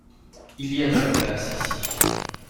Il y a de la place ici.